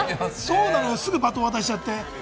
すぐバトンを渡しちゃって。